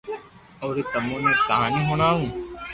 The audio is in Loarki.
اوري تمو ني ڪھاني ھڻاوُ